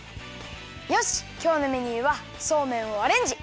よしきょうのメニューはそうめんをアレンジ！